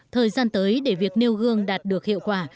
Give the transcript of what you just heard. thời gian tới để việc nêu gương đạt được hiệu quả